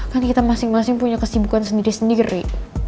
kan kita masing masing punya kesibukan sendiri sendiri